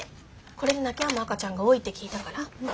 これで泣きやむ赤ちゃんが多いって聞いたから。